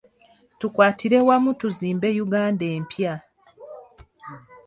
Tukwatire wamu tuzimbe Uganda empya.